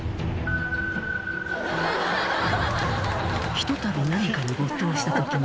「ひとたび何かに没頭した時の」